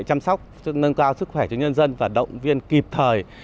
chăm sóc nâng cao sức khỏe cho nhân dân và động viên kịp thời